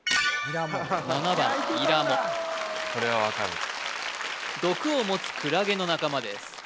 ７番イラモこれは分かる毒を持つクラゲの仲間です